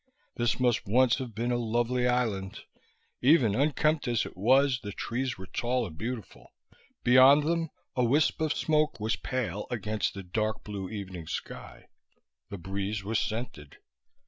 This must once have been a lovely island. Even unkempt as it was, the trees were tall and beautiful. Beyond them a wisp of smoke was pale against the dark blue evening sky; the breeze was scented....